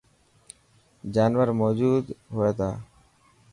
جانور موجود هئي تا.